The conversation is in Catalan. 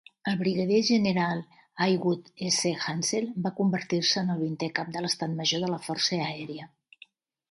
El brigadier general Haywood S. Hansell va convertir-se en el vintè cap de l'Estat Major de la Força Aèria.